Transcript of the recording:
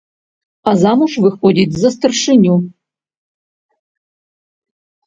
А замуж выходзіць за старшыню!